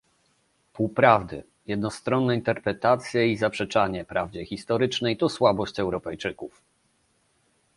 Półprawdy, jednostronne interpretacje i zaprzeczanie prawdzie historycznej to słabość Europejczyków